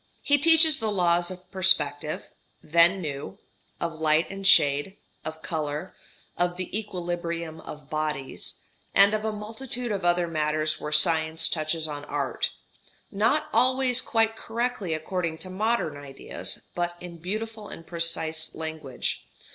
He teaches the laws of perspective (then new), of light and shade, of colour, of the equilibrium of bodies, and of a multitude of other matters where science touches on art not always quite correctly according to modern ideas, but in beautiful and precise language.